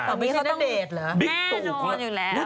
ตอนนี้เขาต้องแดดเหรอแน่นอนอยู่แล้ว